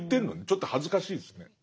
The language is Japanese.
ちょっと恥ずかしいですね。